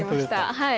はい！